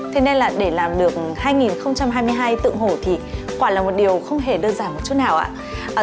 thế nên là để làm được hai nghìn hai mươi hai tượng hổ thì quả là một điều không hề đơn giản một chút nào ạ